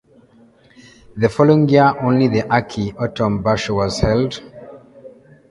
The following year only the Aki (Autumn) Basho was held.